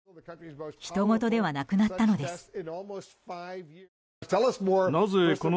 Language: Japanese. ひとごとではなくなったのです。